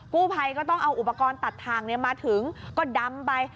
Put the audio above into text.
กู้ภัยก็ต้องเอาอุปกรณ์ตัดทางมาถึงก็ดำไป